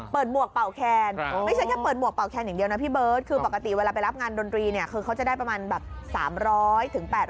หมวกเป่าแคนไม่ใช่แค่เปิดหมวกเป่าแคนอย่างเดียวนะพี่เบิร์ตคือปกติเวลาไปรับงานดนตรีเนี่ยคือเขาจะได้ประมาณแบบ๓๐๐๘๐๐